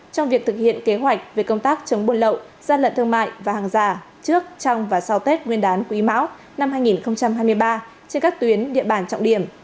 trong việc thực hiện kế hoạch về công tác chống buôn lậu gian lận thương mại và hàng giả trước trong và sau tết nguyên đán quý mão năm hai nghìn hai mươi ba trên các tuyến địa bàn trọng điểm